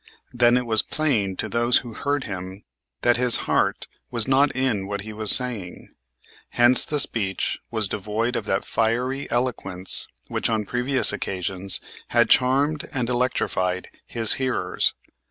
Then it was plain to those who heard him that his heart was not in what he was saying; hence the speech was devoid of that fiery eloquence which on previous occasions had charmed and electrified his hearers.